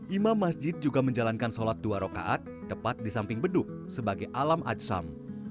imam masjid juga menjalankan sholat dua rokaat tepat di samping beduk sebagai alam ajsam